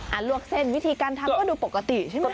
ลวกเส้นวิธีการทำก็ดูปกติใช่ไหม